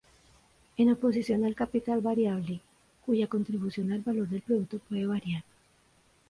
En oposición al capital variable, cuya contribución al valor del producto puede variar.